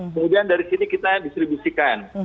kemudian dari sini kita distribusikan